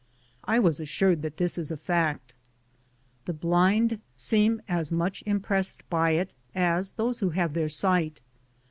I was assured that this is a fact. The blind seem as much impressed by it as those who have their sight.